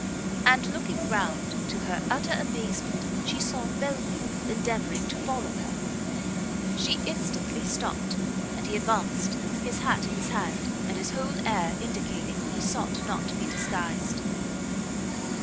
and, looking round, to her utter amazement she saw Belfield endeavouring to follow her. She instantly stopt, and he advanced, his hat in his hand, and his whole air indicating he sought not to be disguised.